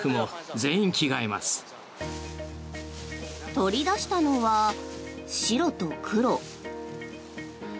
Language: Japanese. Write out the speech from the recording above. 取り出したのは白と黒。